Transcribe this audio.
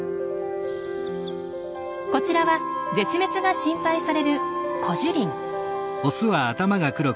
こちらは絶滅が心配されるコジュリン。